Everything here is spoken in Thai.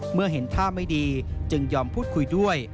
เมื่อเห็นท่าไม่ดีจึงยอมพูดคุยด้วย